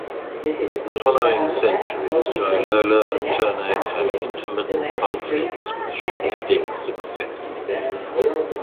In the following centuries Jailolo and Ternate had intermittent conflicts with shifting success.